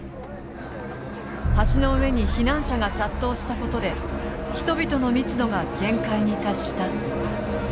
橋の上に避難者が殺到したことで人々の密度が限界に達した。